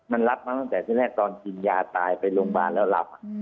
มันรับมาตั้งแต่ที่แรกตอนกินยาตายไปโรงพยาบาลแล้วหลับ